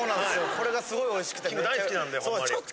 これがすごいおいしくてめっちゃ。